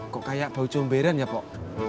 kok kayak bau comberan ya kok